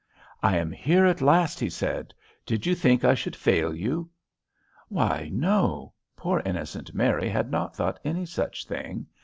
"I am here at last," he said. "Did you think I should fail you?" Why, no, poor innocent Mary had not thought any such thing.